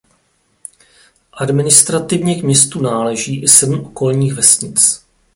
Administrativně k městu náleží i sedm okolních vesnic.